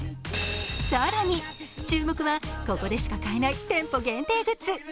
更に注目はここでしか買えない店舗限定グッズ。